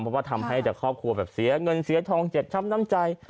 เพราะว่าทำให้แต่ครอบครัวแบบเสียเงินเสียทองเจ็บช้ำน้ำใจ